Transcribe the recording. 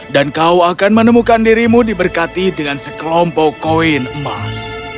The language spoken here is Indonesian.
dan kau akan menemukan dirimu diberkati dengan sekelompok koin emas